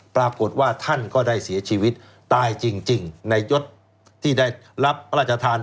ปรากฏว่าท่านก็ได้เสียชีวิตตายจริงในยศที่ได้รับพระราชทาน